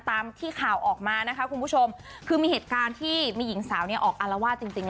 ตามที่ข่าวออกมานะคะคุณผู้ชมคือมีเหตุการณ์ที่มีหญิงสาวเนี่ยออกอารวาสจริงจริง